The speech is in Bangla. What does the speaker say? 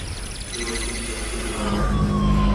তুই একদিন সত্যি হিরো হবি।